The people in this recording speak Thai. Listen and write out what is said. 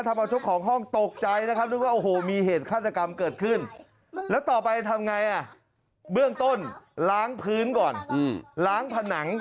ทำบัตรชกของห้องตกใจนะครับ